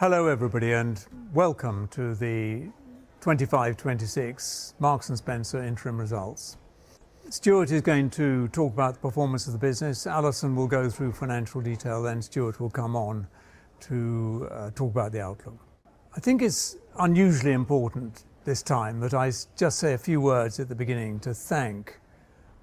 Hello everybody, and welcome to the 2025-26 Marks & Spencer Interim Results. Stuart is going to talk about the performance of the business. Alison will go through financial detail. Then Stuart will come on to talk about the outlook. I think it's unusually important this time that I just say a few words at the beginning to thank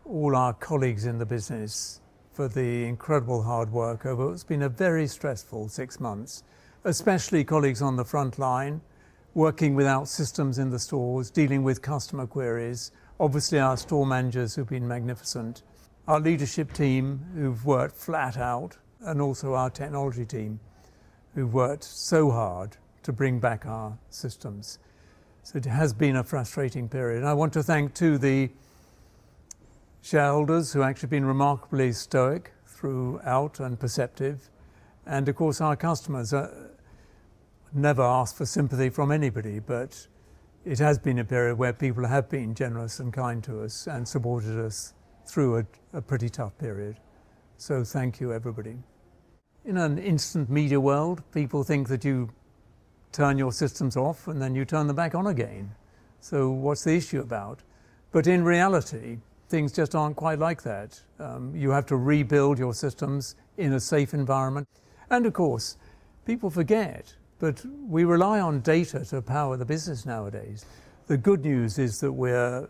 all our colleagues in the business for the incredible hard work over what's been a very stressful six months, especially colleagues on the front line working without systems in the stores, dealing with customer queries. Obviously, our store managers have been magnificent. Our leadership team who've worked flat out, and also our technology team who've worked so hard to bring back our systems. So it has been a frustrating period. I want to thank the shareholders who have actually been remarkably stoic throughout and perceptive, and of course our customers. I never ask for sympathy from anybody, but it has been a period where people have been generous and kind to us and supported us through a pretty tough period. So thank you everybody. In an instant media world, people think that you turn your systems off and then you turn them back on again. So what's the issue about? But in reality, things just aren't quite like that. You have to rebuild your systems in a safe environment. And of course, people forget, but we rely on data to power the business nowadays. The good news is that we're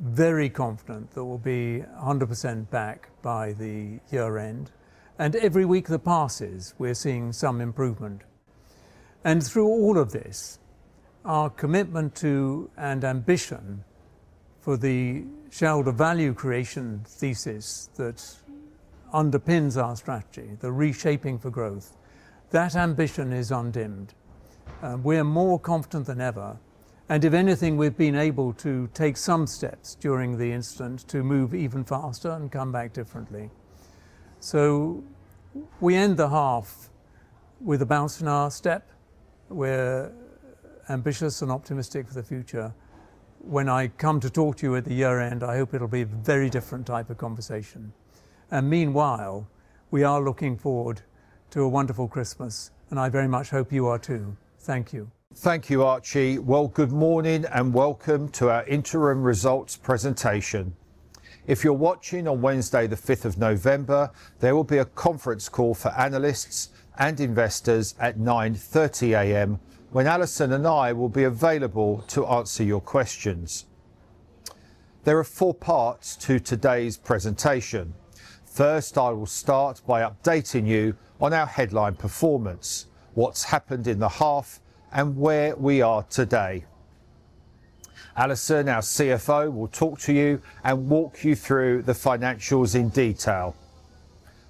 very confident that we'll be 100% back by the year-end, and every week that passes, we're seeing some improvement. And through all of this, our commitment to and ambition for the shareholder value creation thesis that underpins our strategy, the reshaping for growth, that ambition is undimmed. We're more confident than ever, and if anything, we've been able to take some steps during the interim to move even faster and come back differently. So we end the half with a spring in our step. We're ambitious and optimistic for the future. When I come to talk to you at the year-end, I hope it'll be a very different type of conversation, and meanwhile, we are looking forward to a wonderful Christmas, and I very much hope you are too. Thank you. Thank you, Archie. Well, good morning and welcome to our Interim Results presentation. If you're watching on Wednesday, the 5th of November, there will be a conference call for analysts and investors at 9:30 A.M. when Alison and I will be available to answer your questions. There are four parts to today's presentation. First, I will start by updating you on our headline performance, what's happened in the half, and where we are today. Alison, our CFO, will talk to you and walk you through the financials in detail.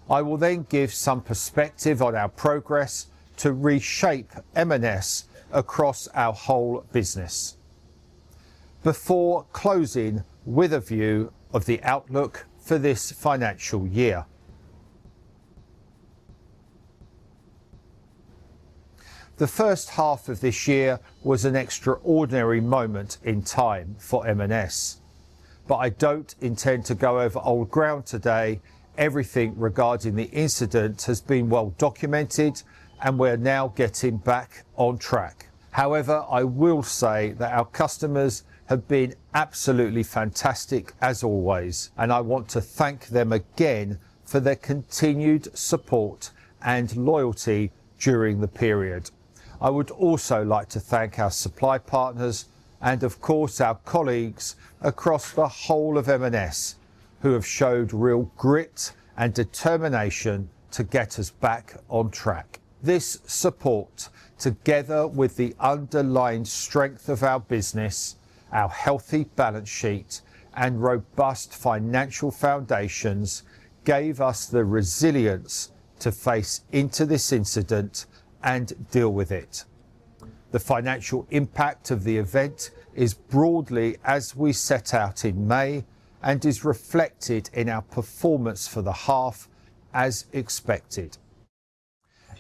I will then give some perspective on our progress to reshape M&S across our whole business. Before closing, with a view of the outlook for this financial year. The first half of this year was an extraordinary moment in time for M&S, but I don't intend to go over old ground today. Everything regarding the incident has been well documented, and we're now getting back on track. However, I will say that our customers have been absolutely fantastic as always, and I want to thank them again for their continued support and loyalty during the period. I would also like to thank our supply partners and, of course, our colleagues across the whole of M&S who have showed real grit and determination to get us back on track. This support, together with the underlying strength of our business, our healthy balance sheet, and robust financial foundations, gave us the resilience to face into this incident and deal with it. The financial impact of the event is broadly as we set out in May and is reflected in our performance for the half as expected.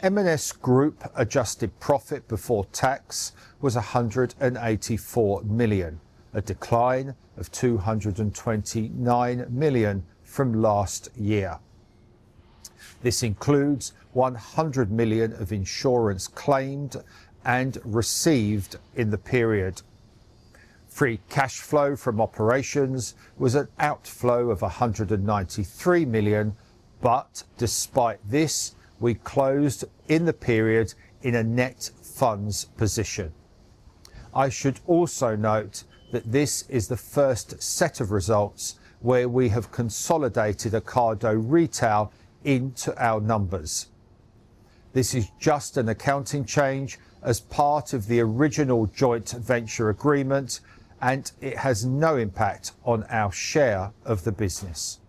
M&S Group Adjusted Profit Before Tax was 184 million, a decline of 229 million from last year. This includes 100 million of insurance claimed and received in the period. Free cash flow from operations was an outflow of 193 million, but despite this, we closed in the period in a net funds position. I should also note that this is the first set of results where we have consolidated Ocado Retail into our numbers. This is just an accounting change as part of the original joint venture agreement, and it has no impact on our share of the business.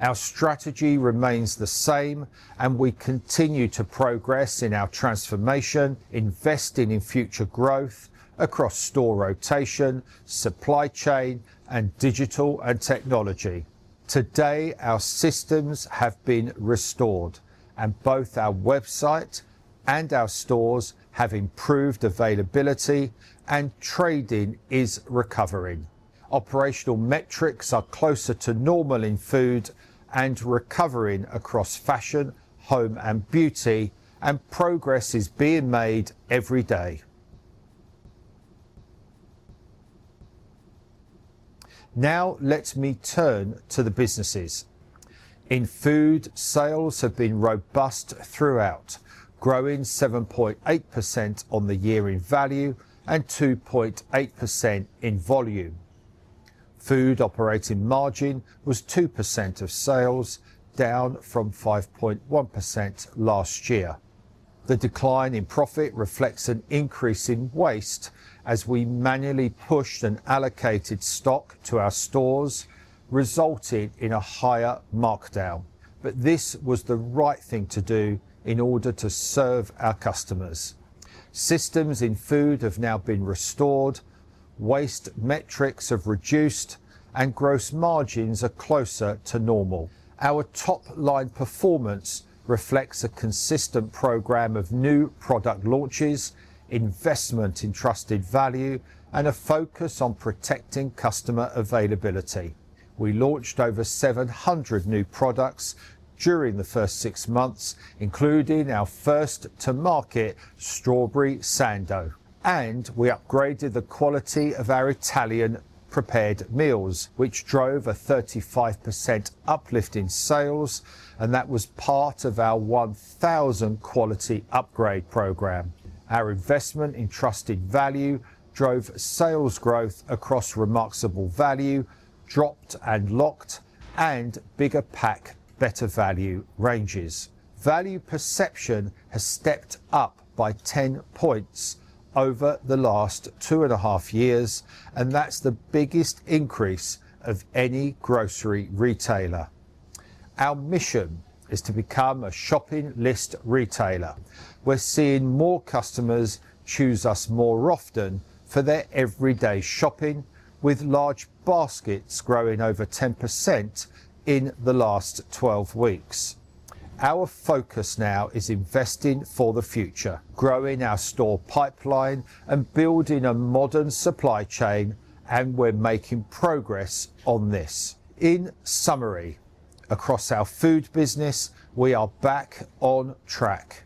Our strategy remains the same, and we continue to progress in our transformation, investing in future growth across store rotation, supply chain, and digital and technology. Today, our systems have been restored, and both our website and our stores have improved availability, and trading is recovering. Operational metrics are closer to normal in food and recovering across fashion, home and beauty, and progress is being made every day. Now let me turn to the businesses. In food, sales have been robust throughout, growing 7.8% on the year in value and 2.8% in volume. Food operating margin was 2% of sales, down from 5.1% last year. The decline in profit reflects an increase in waste as we manually pushed and allocated stock to our stores, resulting in a higher markdown, but this was the right thing to do in order to serve our customers. Systems in food have now been restored, waste metrics have reduced, and gross margins are closer to normal. Our top-line performance reflects a consistent program of new product launches, investment in Trusted Value, and a focus on protecting customer availability. We launched over 700 new products during the first six months, including our first-to-market Strawberry Sando, and we upgraded the quality of our Italian prepared meals, which drove a 35% uplift in sales, and that was part of our 1,000-quality upgrade program. Our investment in Trusted Value drove sales growth across Remarksable Value, Dropped and Locked, and Bigger Pack, Better Value ranges. Value perception has stepped up by 10 points over the last two and a half years, and that's the biggest increase of any grocery retailer. Our mission is to become a Shopping List retailer. We're seeing more customers choose us more often for their everyday shopping, with large baskets growing over 10% in the last 12 weeks. Our focus now is investing for the future, growing our store pipeline and building a modern supply chain, and we're making progress on this. In summary, across our food business, we are back on track.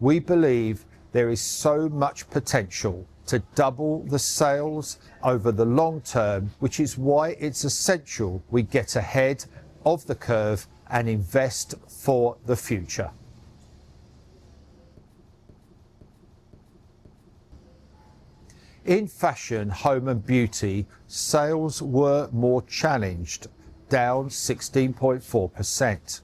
We believe there is so much potential to double the sales over the long term, which is why it's essential we get ahead of the curve and invest for the future. In fashion, home and beauty, sales were more challenged, down 16.4%.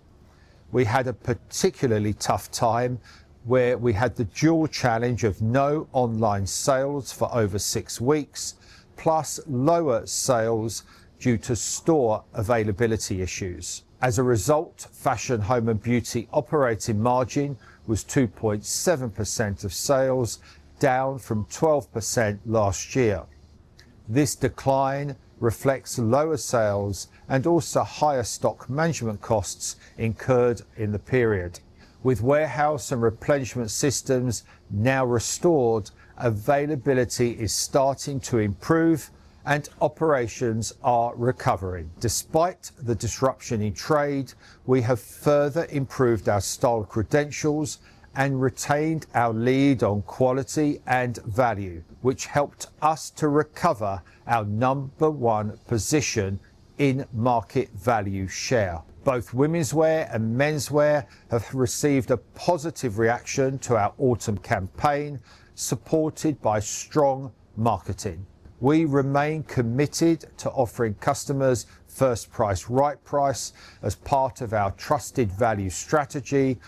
We had a particularly tough time where we had the dual challenge of no online sales for over six weeks, plus lower sales due to store availability issues. As a result, fashion, home and beauty operating margin was 2.7% of sales, down from 12% last year. This decline reflects lower sales and also higher stock management costs incurred in the period. With warehouse and replenishment systems now restored, availability is starting to improve and operations are recovering. Despite the disruption in trade, we have further improved our style credentials and retained our lead on quality and value, which helped us to recover our number one position in market value share. Both women's wear and men's wear have received a positive reaction to our autumn campaign, supported by strong marketing. We remain committed to offering customers First Price, Fight Price as part of our Trusted Value strategy,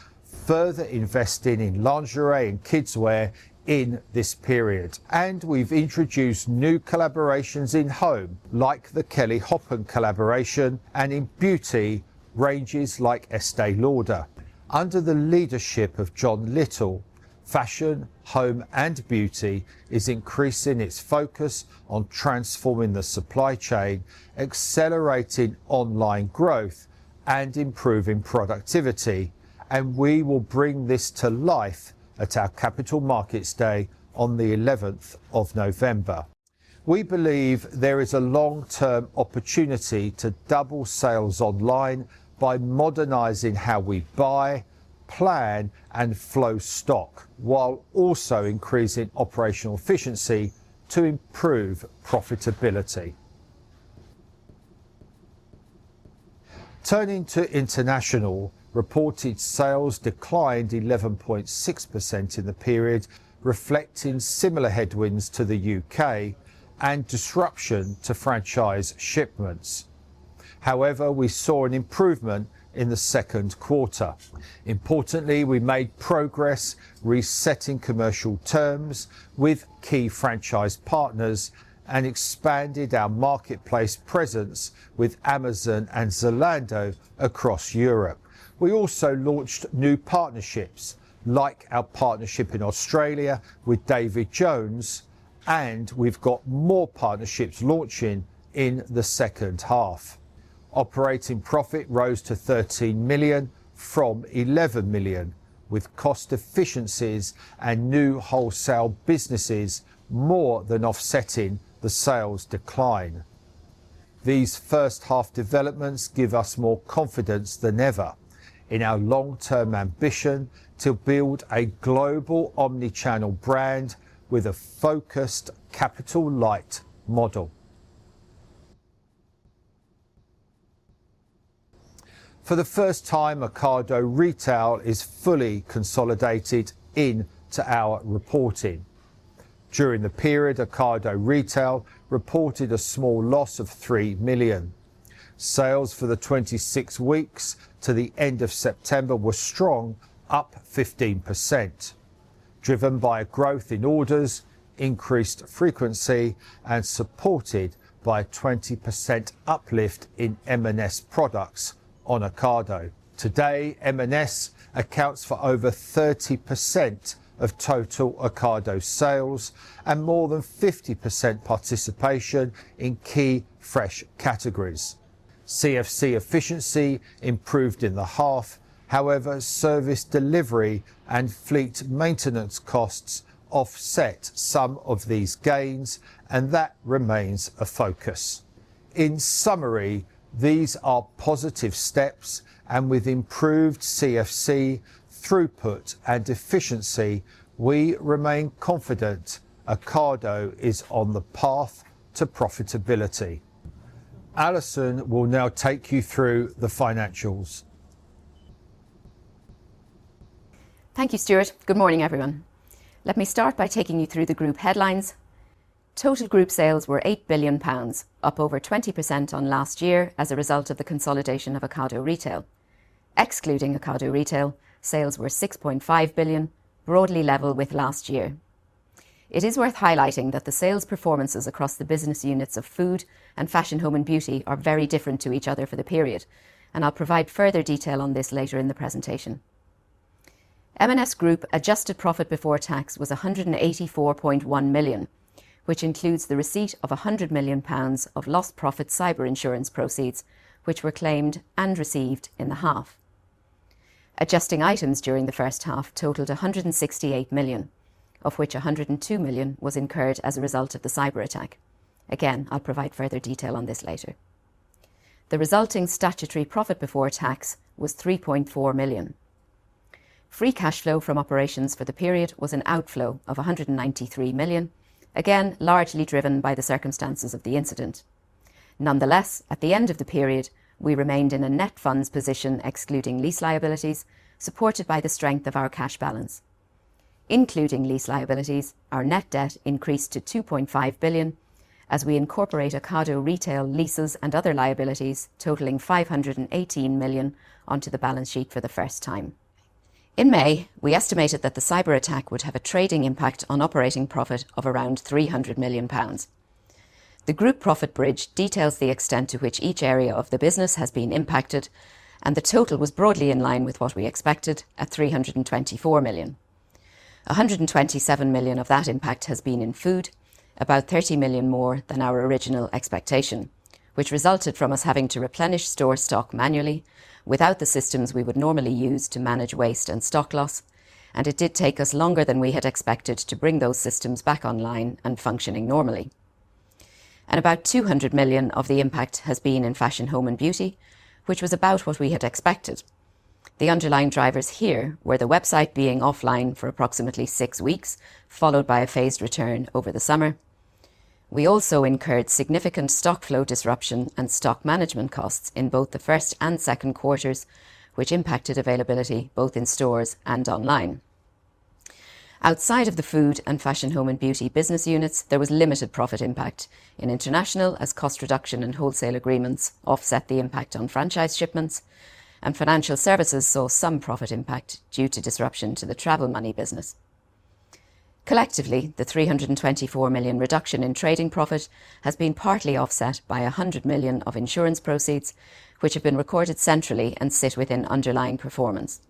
further investing in lingerie and kids' wear in this period. We’ve introduced new collaborations in home, like the Kelly Hoppen collaboration, and in beauty ranges like Estée Lauder. Under the leadership of John Lyttle, fashion, home, and beauty is increasing its focus on transforming the supply chain, accelerating online growth, and improving productivity, and we will bring this to life at our Capital Markets Day on the 11th of November. We believe there is a long-term opportunity to double sales online by modernizing how we buy, plan, and flow stock, while also increasing operational efficiency to improve profitability. Turning to international, reported sales declined 11.6% in the period, reflecting similar headwinds to the U.K. and disruption to franchise shipments. However, we saw an improvement in the second quarter. Importantly, we made progress resetting commercial terms with key franchise partners and expanded our marketplace presence with Amazon and Zalando across Europe. We also launched new partnerships, like our partnership in Australia with David Jones, and we've got more partnerships launching in the second half. Operating profit rose to £13 million from £11 million, with cost efficiencies and new wholesale businesses more than offsetting the sales decline. These first half developments give us more confidence than ever in our long-term ambition to build a global omnichannel brand with a focused capital light model. For the first time, Ocado Retail is fully consolidated into our reporting. During the period, Ocado Retail reported a small loss of £3 million. Sales for the 26 weeks to the end of September were strong, up 15%, driven by a growth in orders, increased frequency, and supported by a 20% uplift in M&S products on Ocado. Today, M&S accounts for over 30% of total Ocado sales and more than 50% participation in key fresh categories. CFC efficiency improved in the half. However, service delivery and fleet maintenance costs offset some of these gains, and that remains a focus. In summary, these are positive steps, and with improved CFC throughput and efficiency, we remain confident Ocado is on the path to profitability. Alison will now take you through the financials. Thank you, Stuart. Good morning, everyone. Let me start by taking you through the group headlines. Total group sales were 8 billion pounds, up over 20% on last year as a result of the consolidation of Ocado Retail. Excluding Ocado Retail, sales were 6.5 billion, broadly level with last year. It is worth highlighting that the sales performances across the business units of food and fashion, home and beauty are very different to each other for the period, and I'll provide further detail on this later in the presentation. M&S Group Adjusted Profit Before Tax was 184.1 million, which includes the receipt of 100 million pounds of lost profit cyber insurance proceeds, which were claimed and received in the half. Adjusting items during the first half totaled 168 million, of which 102 million was incurred as a result of the cyber attack. Again, I'll provide further detail on this later. The resulting statutory profit before tax was £3.4 million. Free cash flow from operations for the period was an outflow of £193 million, again largely driven by the circumstances of the incident. Nonetheless, at the end of the period, we remained in a net funds position, excluding lease liabilities, supported by the strength of our cash balance. Including lease liabilities, our net debt increased to £2.5 billion as we incorporate Ocado Retail leases and other liabilities totaling £518 million onto the balance sheet for the first time. In May, we estimated that the cyber attack would have a trading impact on operating profit of around £300 million. The group profit bridge details the extent to which each area of the business has been impacted, and the total was broadly in line with what we expected at £324 million. 127 million of that impact has been in food, about 30 million more than our original expectation, which resulted from us having to replenish store stock manually without the systems we would normally use to manage waste and stock loss, and it did take us longer than we had expected to bring those systems back online and functioning normally. And about 200 million of the impact has been in fashion, home and beauty, which was about what we had expected. The underlying drivers here were the website being offline for approximately six weeks, followed by a phased return over the summer. We also incurred significant stock flow disruption and stock management costs in both the first and second quarters, which impacted availability both in stores and online. Outside of the food and fashion, home and beauty business units, there was limited profit impact in international as cost reduction and wholesale agreements offset the impact on franchise shipments, and financial services saw some profit impact due to disruption to the travel money business. Collectively, the 324 million reduction in trading profit has been partly offset by 100 million of insurance proceeds, which have been recorded centrally and sit within underlying performance.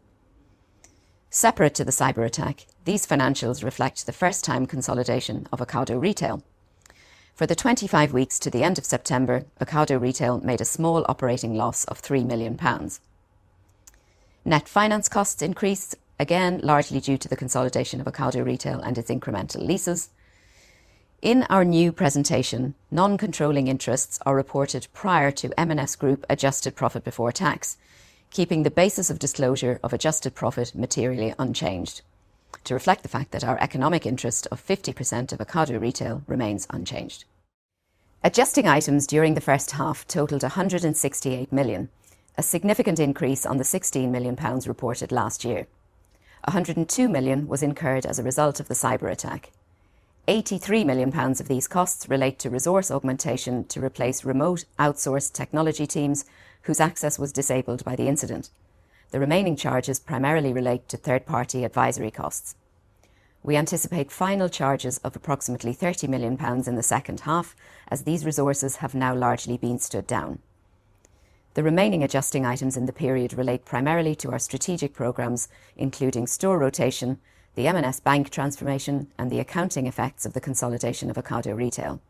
Separate to the cyber attack, these financials reflect the first-time consolidation of Ocado Retail. For the 25 weeks to the end of September, Ocado Retail made a small operating loss of 3 million pounds. Net finance costs increased, again largely due to the consolidation of Ocado Retail and its incremental leases. In our new presentation, non-controlling interests are reported prior to M&S Group adjusted profit before tax, keeping the basis of disclosure of adjusted profit materially unchanged to reflect the fact that our economic interest of 50% of Ocado Retail remains unchanged. Adjusting items during the first half totaled 168 million, a significant increase on the £16 million reported last year. 102 million was incurred as a result of the cyber attack. £83 million of these costs relate to resource augmentation to replace remote outsourced technology teams whose access was disabled by the incident. The remaining charges primarily relate to third-party advisory costs. We anticipate final charges of approximately £30 million in the second half, as these resources have now largely been stood down. The remaining adjusting items in the period relate primarily to our strategic programs, including store rotation, the M&S Bank transformation, and the accounting effects of the consolidation of Ocado Retail.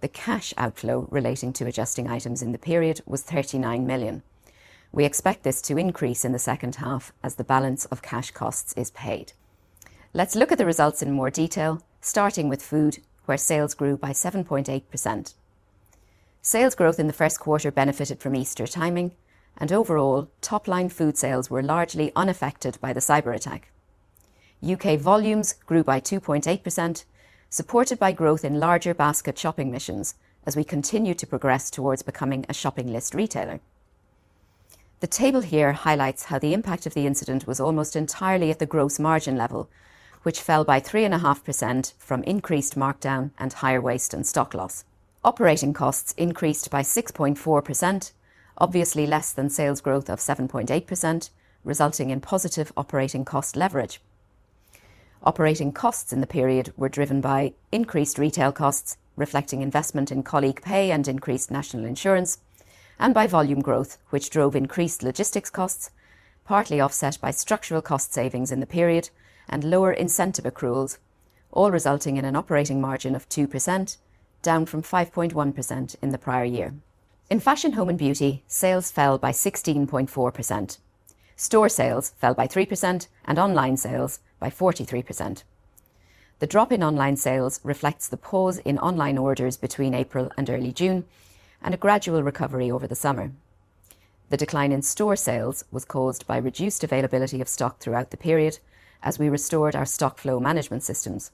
The cash outflow relating to adjusting items in the period was £39 million. We expect this to increase in the second half as the balance of cash costs is paid. Let's look at the results in more detail, starting with food, where sales grew by 7.8%. Sales growth in the first quarter benefited from Easter timing, and overall, top-line food sales were largely unaffected by the cyber attack. U.K. volumes grew by 2.8%, supported by growth in larger basket shopping missions as we continue to progress towards becoming a Shopping List retailer. The table here highlights how the impact of the incident was almost entirely at the gross margin level, which fell by 3.5% from increased markdown and higher waste and stock loss. Operating costs increased by 6.4%, obviously less than sales growth of 7.8%, resulting in positive operating cost leverage. Operating costs in the period were driven by increased retail costs, reflecting investment in colleague pay and increased national insurance, and by volume growth, which drove increased logistics costs, partly offset by structural cost savings in the period and lower incentive accruals, all resulting in an operating margin of 2%, down from 5.1% in the prior year. In Fashion, Home and Beauty, sales fell by 16.4%. Store sales fell by 3% and online sales by 43%. The drop in online sales reflects the pause in online orders between April and early June and a gradual recovery over the summer. The decline in store sales was caused by reduced availability of stock throughout the period as we restored our stock flow management systems.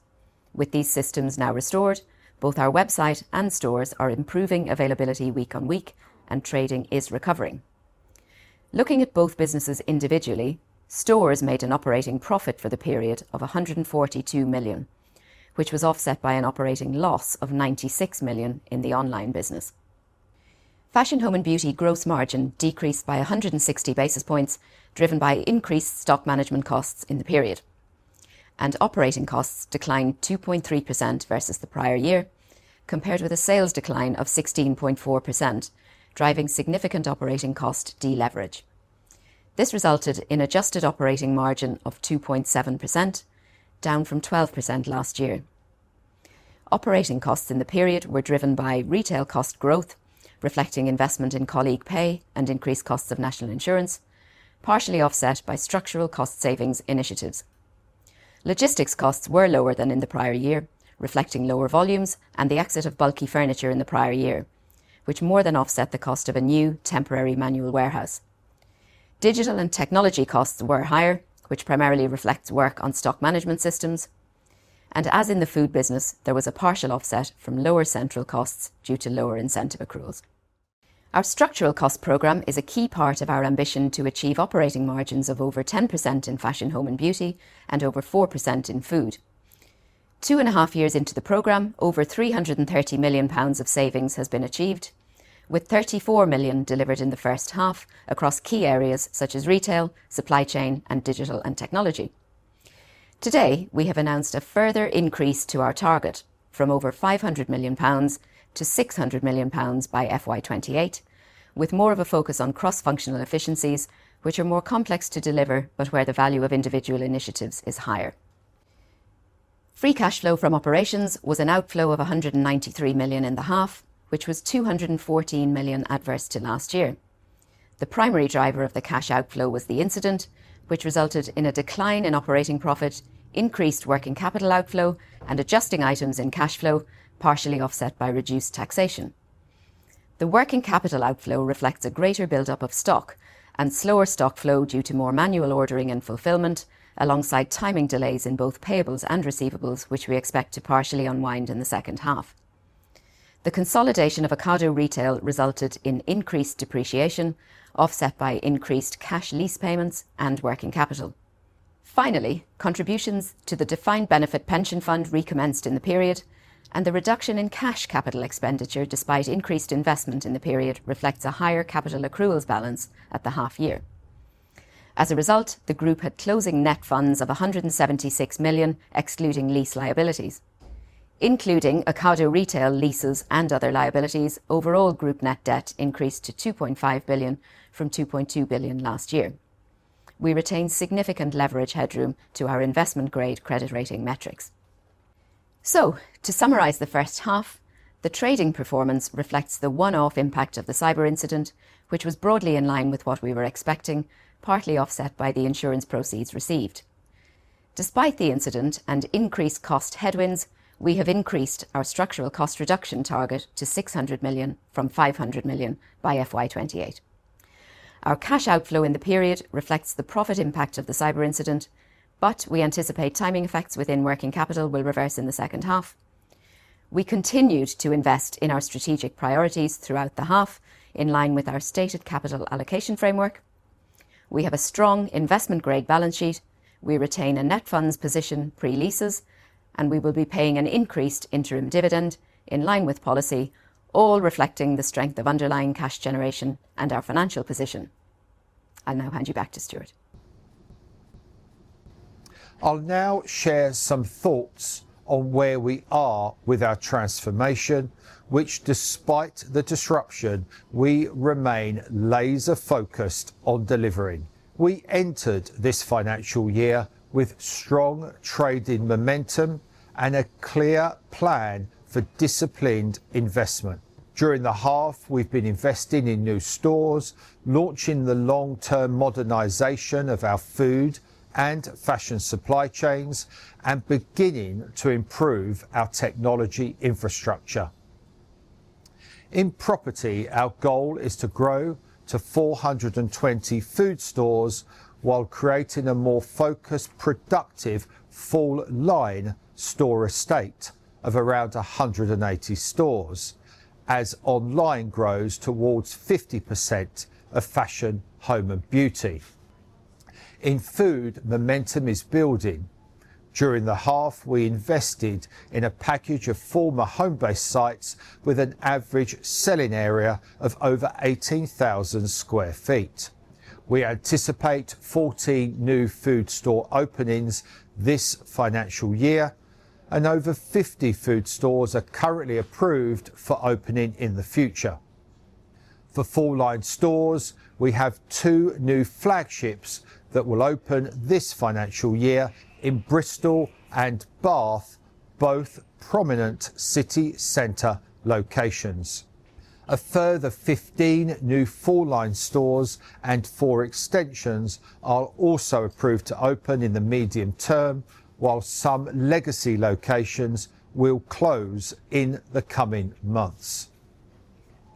With these systems now restored, both our website and stores are improving availability week on week, and trading is recovering. Looking at both businesses individually, stores made an operating profit for the period of 142 million, which was offset by an operating loss of 96 million in the online business. Fashion, home and beauty gross margin decreased by 160 basis points, driven by increased stock management costs in the period, and operating costs declined 2.3% versus the prior year, compared with a sales decline of 16.4%, driving significant operating cost deleverage. This resulted in an adjusted operating margin of 2.7%, down from 12% last year. Operating costs in the period were driven by retail cost growth, reflecting investment in colleague pay and increased costs of national insurance, partially offset by structural cost savings initiatives. Logistics costs were lower than in the prior year, reflecting lower volumes and the exit of bulky furniture in the prior year, which more than offset the cost of a new temporary manual warehouse. Digital and technology costs were higher, which primarily reflects work on stock management systems, and as in the food business, there was a partial offset from lower central costs due to lower incentive accruals. Our structural cost program is a key part of our ambition to achieve operating margins of over 10% in fashion, home and beauty, and over 4% in food. Two and a half years into the program, over 330 million pounds of savings have been achieved, with 34 million delivered in the first half across key areas such as retail, supply chain, and digital and technology. Today, we have announced a further increase to our target from over 500 million pounds to 600 million pounds by FY28, with more of a focus on cross-functional efficiencies, which are more complex to deliver, but where the value of individual initiatives is higher. Free cash flow from operations was an outflow of 193 million in the half, which was 214 million adverse to last year. The primary driver of the cash outflow was the incident, which resulted in a decline in operating profit, increased working capital outflow, and adjusting items in cash flow, partially offset by reduced taxation. The working capital outflow reflects a greater build-up of stock and slower stock flow due to more manual ordering and fulfillment, alongside timing delays in both payables and receivables, which we expect to partially unwind in the second half. The consolidation of Ocado Retail resulted in increased depreciation, offset by increased cash lease payments and working capital. Finally, contributions to the defined benefit pension fund recommenced in the period, and the reduction in cash capital expenditure despite increased investment in the period reflects a higher capital accruals balance at the half year. As a result, the group had closing net funds of 176 million, excluding lease liabilities, including Ocado Retail leases and other liabilities. Overall, group net debt increased to 2.5 billion from 2.2 billion last year. We retained significant leverage headroom to our investment-grade credit rating metrics. To summarize the first half, the trading performance reflects the one-off impact of the cyber incident, which was broadly in line with what we were expecting, partly offset by the insurance proceeds received. Despite the incident and increased cost headwinds, we have increased our structural cost reduction target to 600 million from 500 million by FY28. Our cash outflow in the period reflects the profit impact of the cyber incident, but we anticipate timing effects within working capital will reverse in the second half. We continued to invest in our strategic priorities throughout the half in line with our stated capital allocation framework. We have a strong investment-grade balance sheet. We retain a net funds position pre-leases, and we will be paying an increased interim dividend in line with policy, all reflecting the strength of underlying cash generation and our financial position. I'll now hand you back to Stuart. I'll now share some thoughts on where we are with our transformation, which, despite the disruption, we remain laser-focused on delivering. We entered this financial year with strong trading momentum and a clear plan for disciplined investment. During the half, we've been investing in new stores, launching the long-term modernization of our food and fashion supply chains, and beginning to improve our technology infrastructure. In property, our goal is to grow to 420 food stores while creating a more focused, productive full-line store estate of around 180 stores as online grows towards 50% of fashion, home, and beauty. In food, momentum is building. During the half, we invested in a package of former Homebase sites with an average selling area of over 18,000 sq ft. We anticipate 14 new food store openings this financial year, and over 50 food stores are currently approved for opening in the future. For full-line stores, we have two new flagships that will open this financial year in Bristol and Bath, both prominent city center locations. A further 15 new full-line stores and four extensions are also approved to open in the medium term, while some legacy locations will close in the coming months.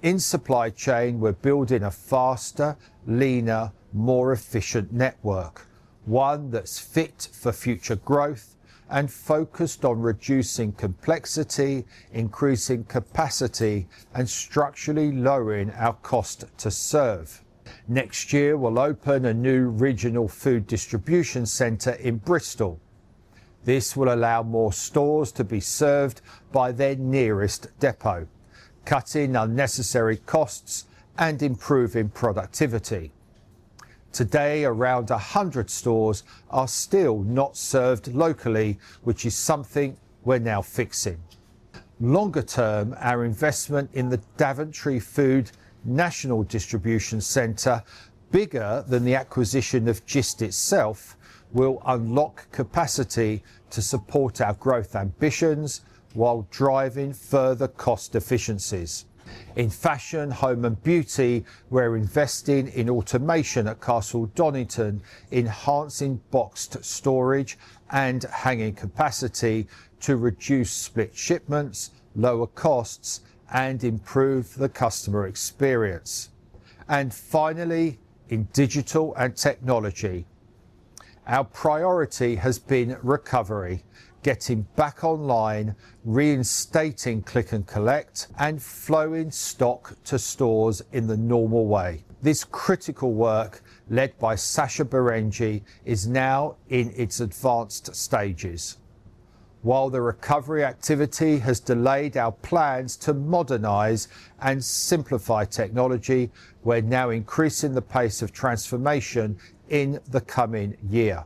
In supply chain, we're building a faster, leaner, more efficient network, one that's fit for future growth and focused on reducing complexity, increasing capacity, and structurally lowering our cost to serve. Next year, we'll open a new regional food distribution center in Bristol. This will allow more stores to be served by their nearest depot, cutting unnecessary costs and improving productivity. Today, around 100 stores are still not served locally, which is something we're now fixing. Longer term, our investment in the Daventry Food National Distribution Centre, bigger than the acquisition of Gist itself, will unlock capacity to support our growth ambitions while driving further cost efficiencies. In fashion, home and beauty, we're investing in automation at Castle Donington, enhancing boxed storage and hanging capacity to reduce split shipments, lower costs, and improve the customer experience. And finally, in digital and technology, our priority has been recovery, getting back online, reinstating click and collect, and flowing stock to stores in the normal way. This critical work, led by Sacha Berendji, is now in its advanced stages. While the recovery activity has delayed our plans to modernize and simplify technology, we're now increasing the pace of transformation in the coming year.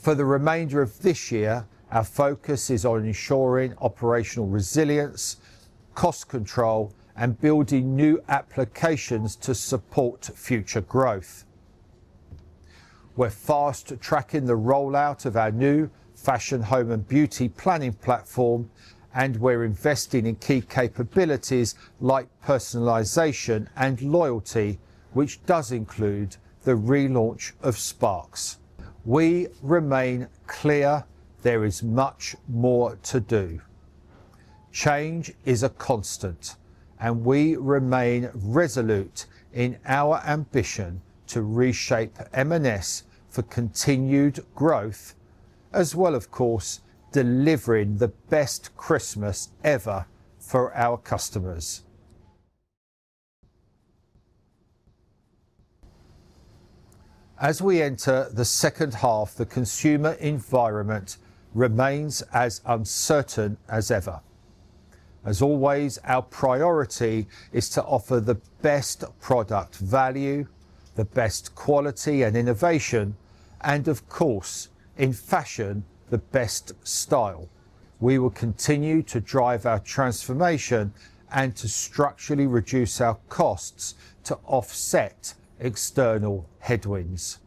For the remainder of this year, our focus is on ensuring operational resilience, cost control, and building new applications to support future growth. We're fast tracking the rollout of our new fashion, home, and beauty planning platform, and we're investing in key capabilities like personalization and loyalty, which does include the relaunch of Sparks. We remain clear there is much more to do. Change is a constant, and we remain resolute in our ambition to reshape M&S for continued growth, as well, of course, delivering the best Christmas ever for our customers. As we enter the second half, the consumer environment remains as uncertain as ever. As always, our priority is to offer the best product value, the best quality and innovation, and, of course, in fashion, the best style. We will continue to drive our transformation and to structurally reduce our costs to offset external headwinds.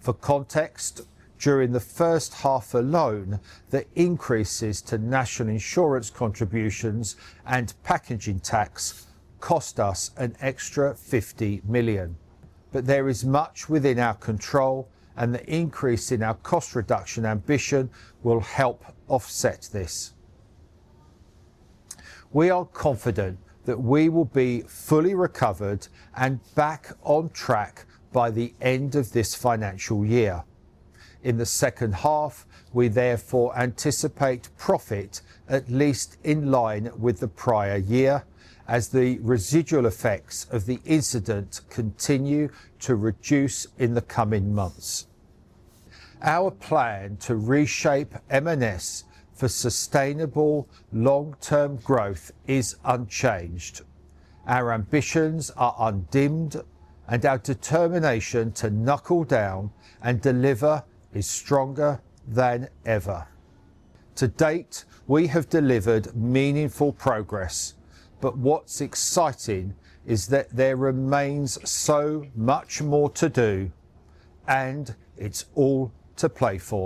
For context, during the first half alone, the increases to National Insurance contributions and packaging tax cost us an extra 50 million. But there is much within our control, and the increase in our cost reduction ambition will help offset this. We are confident that we will be fully recovered and back on track by the end of this financial year. In the second half, we therefore anticipate profit at least in line with the prior year, as the residual effects of the incident continue to reduce in the coming months. Our plan to reshape M&S for sustainable long-term growth is unchanged. Our ambitions are undimmed, and our determination to knuckle down and deliver is stronger than ever. To date, we have delivered meaningful progress, but what's exciting is that there remains so much more to do, and it's all to play for.